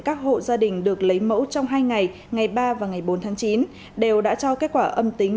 các hộ gia đình được lấy mẫu trong hai ngày ngày ba và ngày bốn tháng chín đều đã cho kết quả âm tính